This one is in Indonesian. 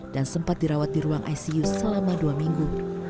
dan sempat dirawat di ruang icu selama dua minggu